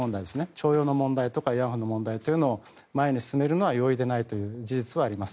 徴用の問題とか慰安婦の問題を前に進めるのは容易ではないという事実はあります。